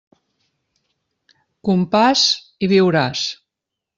Compàs, i viuràs.